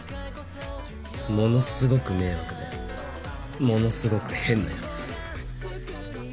ものすごく迷惑でものすごく変な奴。